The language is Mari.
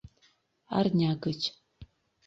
Арня гыч.